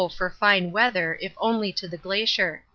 for fine weather, if only to the Glacier.